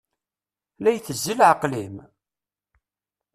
La itezzi leɛqel-im?